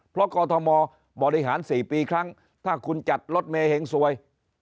เพราะกอทมบริหาร๔ปีครั้งถ้าคุณจัดรถเมย์เห็งสวย